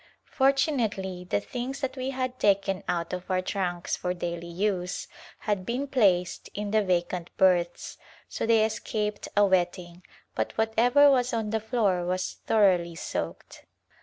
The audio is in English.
Fortunately the things that we had taken out of our trunks for daily use had been placed in the vacant berths, so they es caped a wetting, but whatever was on the floor was thoroughly soaked.